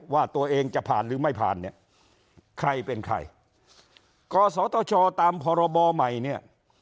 ว่าตัวเองจะผ่านหรือไม่ผ่านเนี่ย